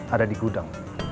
ada di gudang